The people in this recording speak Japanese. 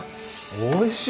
おいしい！